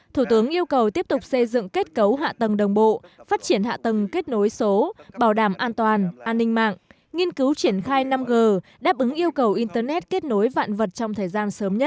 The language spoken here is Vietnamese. thủ tướng yêu cầu tiếp tục xây dựng kết cấu hạ tầng đồng bộ phát triển hạ tầng kết nối số bảo đảm an toàn an ninh mạng nghiên cứu triển khai năm g đáp ứng yêu cầu internet kết nối vạn vật trong thời gian sớm nhất